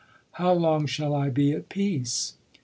" How long shall I be at peace